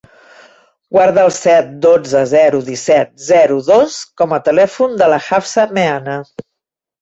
Guarda el set, dotze, zero, disset, zero, dos com a telèfon de la Hafsa Meana.